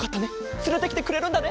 つれてきてくれるんだね？